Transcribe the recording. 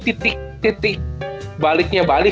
titik titik baliknya bali